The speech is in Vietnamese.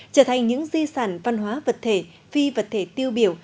trở thành những di sản văn hóa vật thể phi vật thể tiêu biểu